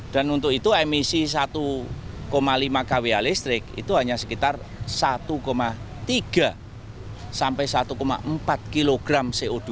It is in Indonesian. dan untuk itu emisi satu lima kwh listrik itu hanya sekitar satu tiga sampai satu empat kilogram co dua